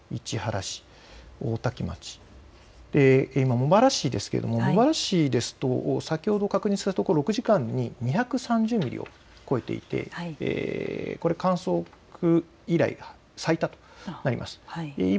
それからいすみ市もそうですが長南町、長柄町、市原市、大多喜町、茂原市ですけれども茂原市ですと先ほど確認したところ６時間に２３０ミリを超えていてこれは観測以来、最多となります。